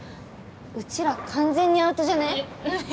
うちら完全にアウトじゃね？